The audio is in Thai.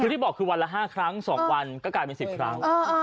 คือที่บอกคือวันละ๕ครั้ง๒วันก็กลายเป็น๑๐ครั้ง